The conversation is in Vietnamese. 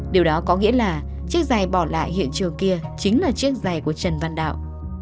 điều đó có nghĩa là chiếc giày bỏ lại hiện trường kia chính là chiếc giày của trần văn đạo